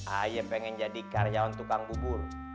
ayah pengen jadi karyawan tukang bubur